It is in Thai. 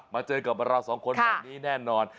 เจอกับเราสองคนแบบนี้แน่นอน